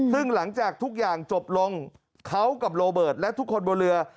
ซึ่งหลังจากทุกอย่างจบลงเขากับโรเบิร์ตและทุกคนบนเรือ